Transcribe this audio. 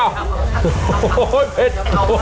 โอ๊ยโอ้ยเผ็ด